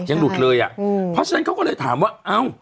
หลุดเลยอ่ะอืมเพราะฉะนั้นเขาก็เลยถามว่าเอ้า